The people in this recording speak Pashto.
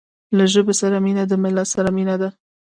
له ژبې سره مینه د ملت سره مینه ده.